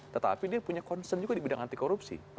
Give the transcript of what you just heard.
tetapi dia punya concern juga di bidang anti korupsi